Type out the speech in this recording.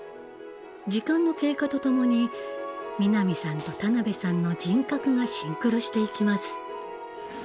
時間の経過とともに南さんと田辺さんの人格がシンクロしていきます。